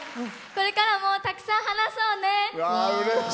これからもたくさん話そうね！